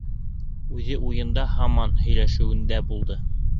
Үҙе уйында һаман һөйләшеүендә булды.